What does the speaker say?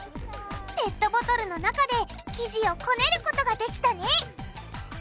ペットボトルの中で生地をこねることができたね！